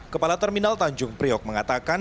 kepala terminal tanjung priok mengatakan